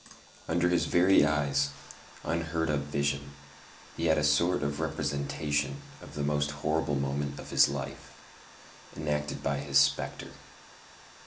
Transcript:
Under his very eyes, unheard of vision, he had a sort of representation of the most horrible moment of his life, enacted by his spectre.